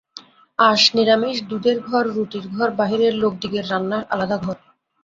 আঁশ নিরামিষ, দুধের ঘর, রুটির ঘর, বাহিরের লোকদিগেব রান্নার আলাদা ঘর।